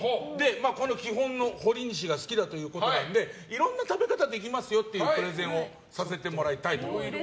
この基本のほりにしが好きだということなんでいろんな食べ方ができますよというプレゼンをさせてもらいたいと。